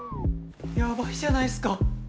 ヤバいじゃないっすか。